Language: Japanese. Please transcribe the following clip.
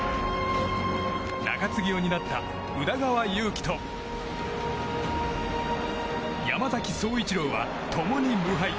中継ぎを担った宇田川優希と山崎颯一郎は共に無敗。